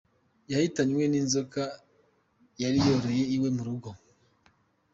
Yahitanywe n’inzoka yari yororeye iwe mu rugo.